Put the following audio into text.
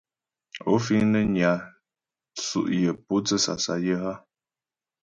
Ó fíŋ nə́ nyà tsʉ́' yə mpótsə́ sasayə́ hə́ ?